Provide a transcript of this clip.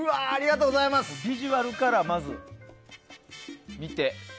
ビジュアルからまず見て。